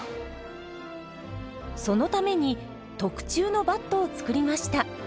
そのために特注のバットを作りました。